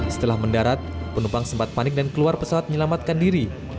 setelah mendarat penumpang sempat panik dan keluar pesawat menyelamatkan diri